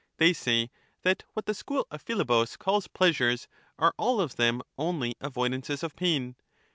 They say that what the school of Philebus calls They are pleasures are all of them only avoidances of pain.